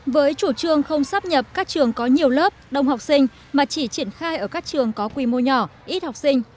với chủ trương không sắp nhập các trường có nhiều lớp đông học sinh mà chỉ triển khai ở các trường có quy mô nhỏ ít học sinh